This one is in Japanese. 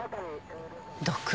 毒。